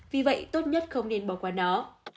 vì vậy tốt nhất không nên bỏ qua nó